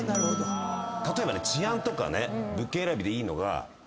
例えばね治安とか物件選びでいいのが。